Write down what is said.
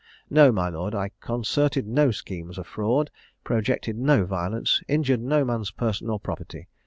No, my lord, I concerted no schemes of fraud, projected no violence, injured no man's person or property.